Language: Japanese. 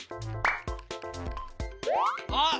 あっ！